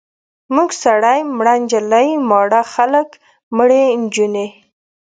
مور سړی، مړه نجلۍ، ماړه خلک، مړې نجونې.